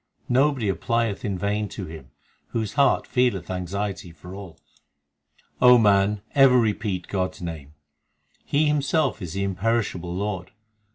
Nobody applieth in vain to Him Whose heart feeleth anxiety for all. O man, ever repeat God s name ; He Himself is the imperishable Lord.